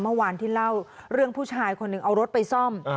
เมื่อวานที่เล่าเรื่องผู้ชายคนหนึ่งเอารถไปซ่อม